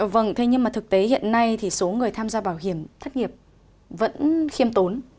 vâng thế nhưng mà thực tế hiện nay thì số người tham gia bảo hiểm thất nghiệp vẫn khiêm tốn